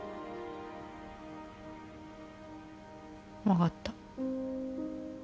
分かった。